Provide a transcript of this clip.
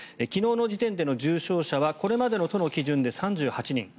昨日の時点での重症者はこれまでの都の基準で３８人。